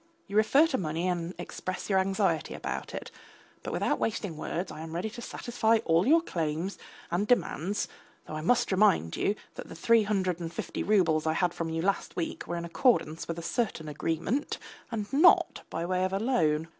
You refer to money and express your anxiety about it. But without wasting words I am ready to satisfy all your claims and demands, though I must remind you that the three hundred and fifty roubles I had from you last week were in accordance with a certain agreement and not by way of a loan.